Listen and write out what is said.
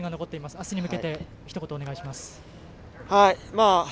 あすに向けてひと言、お願いします。